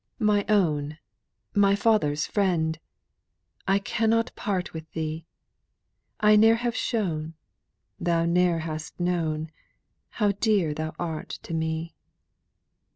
"My own, my father's friend! I cannot part with thee! I ne'er have shown, thou ne'er hast known, How dear thou art to me."